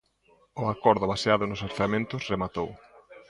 O acordo baseado nos orzamentos rematou.